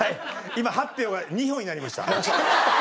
今８票が２票になりました。